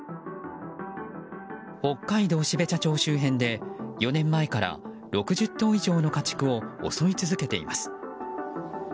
北海道標茶町周辺で、４年前から６０頭以上の家畜を襲い続けています。